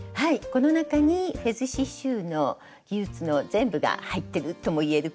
この中にフェズ刺しゅうの技術の全部が入ってるとも言えるくらい。